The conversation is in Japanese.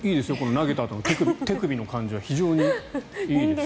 投げたあとの手首の感じは非常にいいですよ。